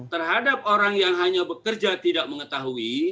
terhadap orang yang hanya bekerja tidak mengetahui